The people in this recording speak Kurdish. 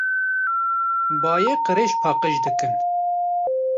Bayê qirêj paqij dikin.